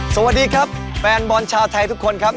สวัสดีครับแฟนบอลชาวไทยทุกคนครับ